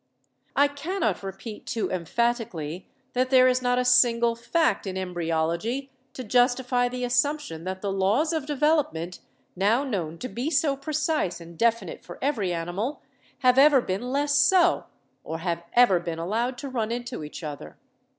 "I cannot repeat too emphatically, that there is not a single fact in Embryology to justify the assumption that the laws of development, now known to be so precise and definite for every animal, have ever been less so, or have ever been allowed to run into each other.